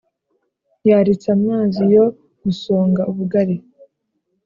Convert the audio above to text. yaritse amazi yo gusonga ubugari